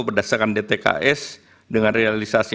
berdasarkan dtks dengan realisasi